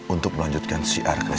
untuk melanjutkan siar krisis lain